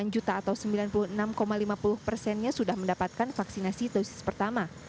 delapan juta atau sembilan puluh enam lima puluh persennya sudah mendapatkan vaksinasi dosis pertama